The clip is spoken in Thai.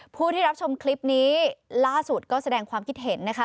ผู้ที่รับชมคลิปนี้ล่าสุดก็แสดงความคิดเห็นนะคะ